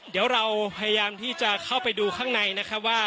เดี๋ยวเราพยายามที่จะเข้าไปดูข้างในนะครับว่า